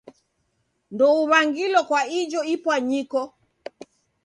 Ndouw'angilo kwa ijo ipwanyiko.